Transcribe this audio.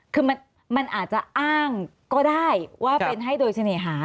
คือมันอาจจะอ้างก็ได้ว่าเป็นให้โดยเสน่หา